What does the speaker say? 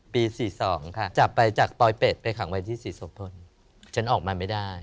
๔๒ค่ะจับไปจากปลอยเป็ดไปขังไว้ที่ศรีโสพลฉันออกมาไม่ได้